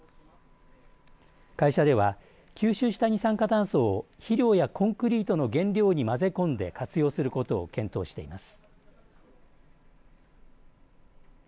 会社では吸収した二酸化炭素を肥料やコンクリートの原料に混ぜ込んで活用することを検討しています。